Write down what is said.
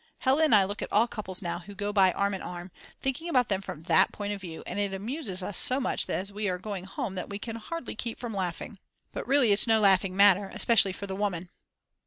Hella and I look at all couples now who go by arm in arm, thinking about them from that point of view, and it amuses us so much as we are going home that we can hardly keep from laughing. But really it's no laughing matter, especially for the woman.